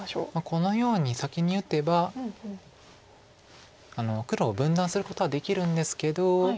このように先に打てば黒を分断することはできるんですけど。